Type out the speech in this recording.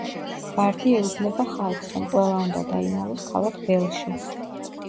ბარდი ეუბნება ხალხს, რომ ყველა უნდა დაიმალოს ქალაქ ველში.